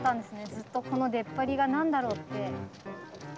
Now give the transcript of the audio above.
ずっとこの出っ張りが何だろうって。